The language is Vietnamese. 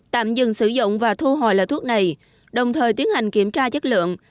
tạm dừng sử dụng và thu hồi loại thuốc này đồng thời tiến hành kiểm tra chất lượng